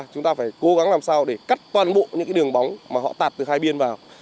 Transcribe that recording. chúng ta phải cố gắng làm sao để cắt toàn bộ những cái đường bóng mà họ tạt từ hai bên vào